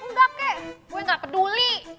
engga kek gue yang terlalu peduli